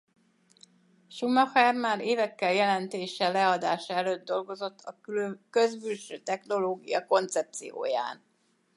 Schumacher már évekkel a jelentése leadása előtt dolgozott a közbülső technológia koncepcióján.